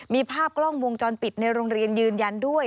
มีภาพกล้องวงจรปิดในโรงเรียนยืนยันด้วย